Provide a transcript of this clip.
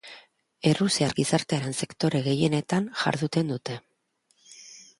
Errusiar gizartearen sektore gehienetan jarduten dute.